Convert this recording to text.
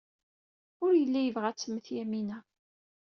Ur yelli yebɣa ad temmet Yamina.